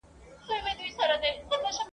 او پخپله نا آشنا ده له نڅا او له مستیو !.